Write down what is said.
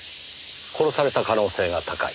殺された可能性が高い。